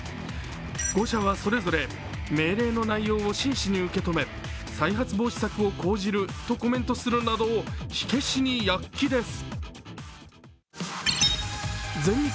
５社はそれぞれ命令の内容を真摯に受け止め、再発防止策を講じるとコメントするなど火消しに躍起です。